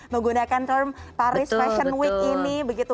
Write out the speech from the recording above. menggunakan term paris fashion week ini begitu